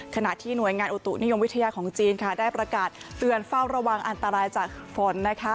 ขณะที่หน่วยงานอุตุนิยมวิทยาของจีนค่ะได้ประกาศเตือนเฝ้าระวังอันตรายจากฝนนะคะ